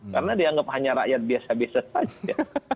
karena dianggap hanya rakyat biasa biasa saja